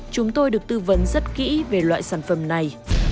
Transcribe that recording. chúng tôi được tư vấn rất kỹ về loại sản phẩm này